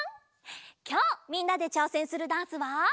きょうみんなでちょうせんするダンスはフラダンス！